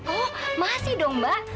oh masih dong mbak